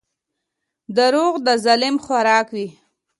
• دروغ د ظلم خوراک وي.